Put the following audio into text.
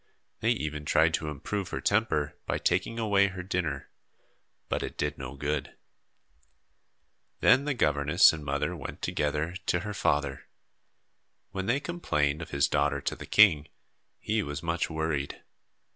They even tried to improve her temper by taking away her dinner, but it did no good. Then the governess and mother went together to her father. When they complained of his daughter to the king, he was much worried.